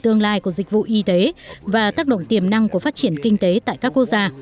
tương lai của dịch vụ y tế và tác động tiềm năng của phát triển kinh tế tại các quốc gia